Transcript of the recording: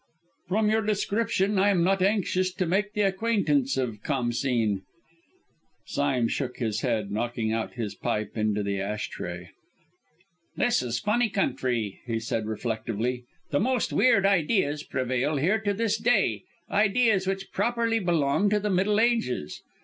"From your description I am not anxious to make the acquaintance of Khamsîn!" Sime shook his head, knocking out his pipe into the ash tray. "This is a funny country," he said reflectively. "The most weird ideas prevail here to this day ideas which properly belong to the Middle Ages.